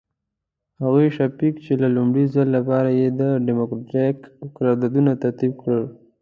هغه شفیق چې د لومړي ځل لپاره یې ډیموکراتیک قرارداد ترتیب کړ.